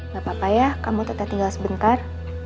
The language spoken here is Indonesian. gak apa apa ya kamu teteh tinggal sebentar